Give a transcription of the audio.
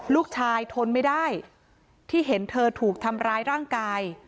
ลูกชายทนไม่ได้ที่เห็นเธอถูกทำร้ายร่างกาย